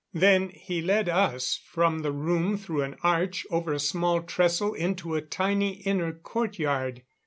Then he led us from the room through an arch, over a small trestle, into a tiny inner courtyard.